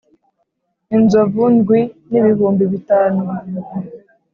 inzovu ndwi n ibihumbi bitanu